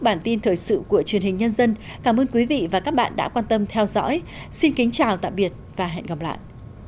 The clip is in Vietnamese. với thời sự của truyền hình nhân dân cảm ơn quý vị và các bạn đã quan tâm theo dõi xin kính chào tạm biệt và hẹn gặp lại